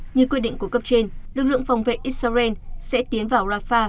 như quyết định của cấp trên lực lượng phòng vệ israel sẽ tiến vào rafah